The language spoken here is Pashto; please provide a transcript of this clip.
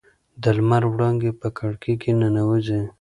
د لمر وړانګې په کړکۍ کې ننوځي.